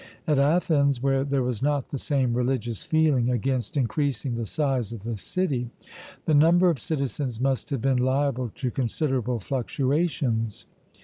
At Athens, where there was not the same religious feeling against increasing the size of the city, the number of citizens must have been liable to considerable fluctuations.